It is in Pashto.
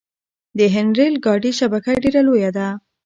د هند ریل ګاډي شبکه ډیره لویه ده.